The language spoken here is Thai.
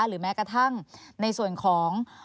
หรือแม้กระทั่งในส่วนของ